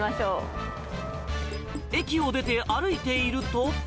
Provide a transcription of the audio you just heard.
駅を出て歩いていると。